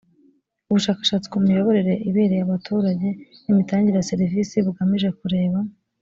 ubushakashatsi ku miyoborere ibereye abaturage n imitangire ya serivisi bugamije kureba